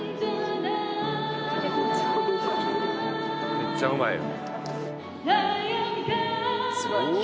めっちゃうまいよ。